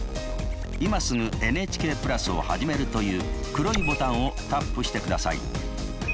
「今すぐＮＨＫプラスをはじめる」という黒いボタンをタップしてください。